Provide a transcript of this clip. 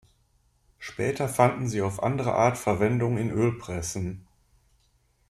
Später fanden sie auf andere Art Verwendung in Ölpressen.